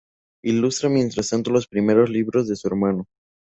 Ilustra mientras tanto los primeros libros de su hermano.